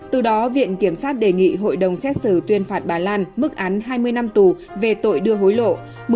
từ đó viện kiểm sát đề nghị hội đồng xét xử tuyên phạt bà lan mức án hai mươi năm tù về tội đưa hối lộ